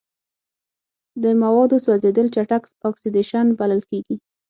د موادو سوځیدل چټک اکسیدیشن بلل کیږي.